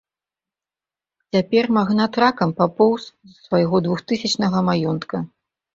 Цяпер магнат ракам папоўз з свайго двухтысячнага маёнтка.